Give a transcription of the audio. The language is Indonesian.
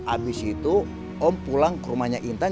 abis itu om pulang ke rumahnya intan